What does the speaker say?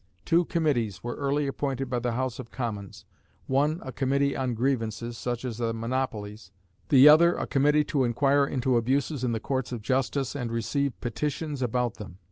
Two Committees were early appointed by the House of Commons: one a Committee on Grievances, such as the monopolies; the other, a Committee to inquire into abuses in the Courts of Justice and receive petitions about them.